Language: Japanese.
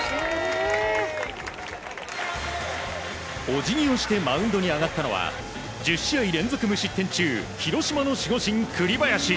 お辞儀をしてマウンドに上がったのは１０試合連続無失点中広島の守護神、栗林。